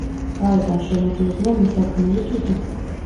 გარედან შემოდიოდნენ მისადგმელი კიბით.